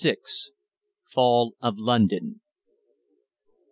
FALL OF LONDON.